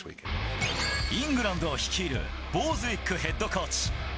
イングランドを率いる、ボーズウィックヘッドコーチ。